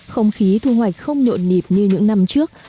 không khí thu hoạch không nhộn nhịp như những năm trước